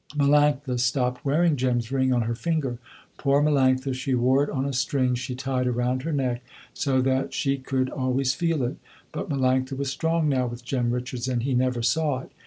Melanctha stopped wearing Jem's ring on her finger. Poor Melanctha, she wore it on a string she tied around her neck so that she could always feel it, but Melanctha was strong now with Jem Richards, and he never saw it.